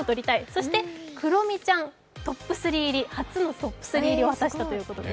そしてクロミちゃん、初のトップ３入りを果たしたということです。